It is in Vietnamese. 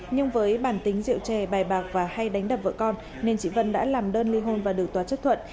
nhưng với bản tính rượu trè bài bạc và hay đánh đập vợ con nên chị vân đã làm đơn li hôn và được tòa chức thuận